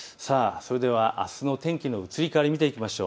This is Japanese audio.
それでは、あすの天気の移り変わりを見ていきましょう。